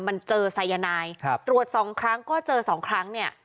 มันเจอไซยานายตรวจ๒ครั้งก็เจอ๒ครั้ง